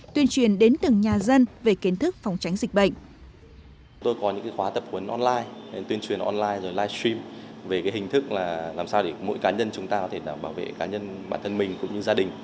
tuyên truyền đến từng nhà dân về kiến thức phòng tránh dịch bệnh